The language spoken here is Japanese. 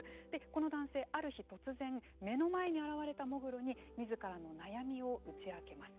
この男性ある日突然目の前に現れた喪黒にみずからの悩みを打ち明けます。